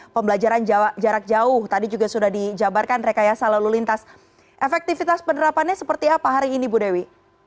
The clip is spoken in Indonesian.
pembelajaran jarak jauh tadi juga sudah dijabarkan rekayasa lalu lintas efektivitas penerapannya seperti apa hari ini bu dewi